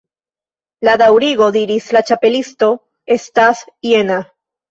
"La daŭrigo," diris la Ĉapelisto, "estas jena.